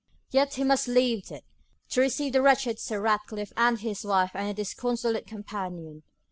Yet he must leave it, to receive the wretched Sir Ratcliffe and his wife and their disconsolate companion.